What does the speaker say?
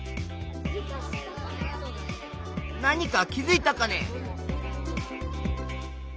何か気づいたかね？